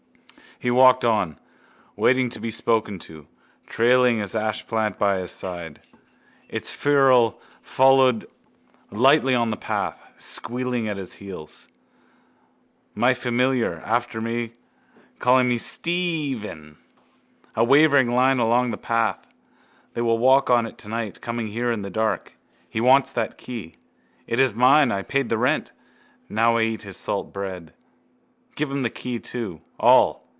He walked on, waiting to be spoken to, trailing his ashplant by his side. Its ferrule followed lightly on the path, squealing at his heels. My familiar, after me, calling, Steeeeeeeeeeeephen! A wavering line along the path. They will walk on it tonight, coming here in the dark. He wants that key. It is mine. I paid the rent. Now I eat his salt bread. Give him the key too. All.